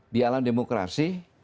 di alam demokrasi